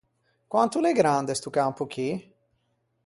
Quant’o l’é grande sto campo chì?